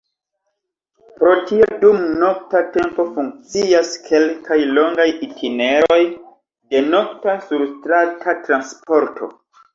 Pro tio dum nokta tempo funkcias kelkaj longaj itineroj de nokta surstrata transporto.